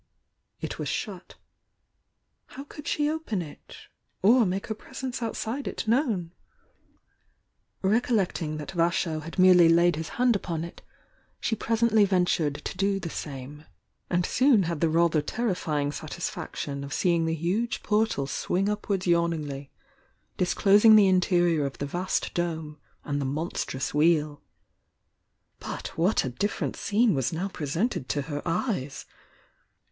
It was shut. How could she open it? — or make her presence ovtside it known? Recollecting that Vasho had merely laid <.H I 280 THE YOUNG DIANA H :: his hand upon it, she presently ventured to do the same, and soon had the rather terrifying satisfaction of seeing the huge portal swing upwards yawning ly, disclosing the interior of the vast dome and the monstrous Wheel. But what a different scene was now presented to her eyes!